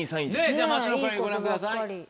じゃあ街の声ご覧ください。